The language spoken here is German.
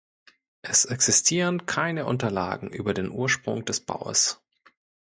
Es existieren keine Unterlagen über den Ursprung des Baues.